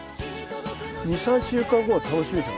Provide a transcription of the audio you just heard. ２３週間後が楽しみですよ